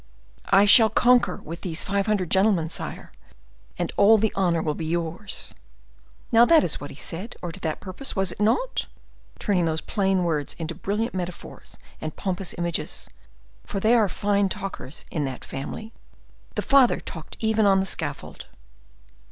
—'I shall conquer with these five hundred gentlemen, sire, and all the honor will be yours.' Now, that is what he said, or to that purpose, was it not?—turning those plain words into brilliant metaphors and pompous images, for they are fine talkers in that family! The father talked even on the scaffold."